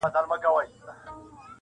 څارنوال ته پلار ویله دروغجنه,